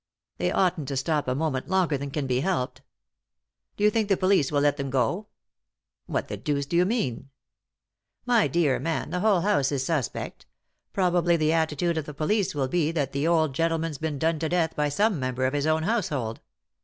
They oughtn't to stop a moment longer than can be helped." " Do you think the police will let them go ?" "What the deuce do you mean t" "My dear man, the whole house is suspect. Pro bably the attitude of the police will be that the old gentleman's been done to death by some member of bis own household.